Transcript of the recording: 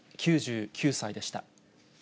９９歳でした。